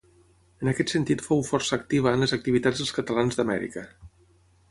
En aquest sentit fou força activa en les activitats dels catalans d'Amèrica.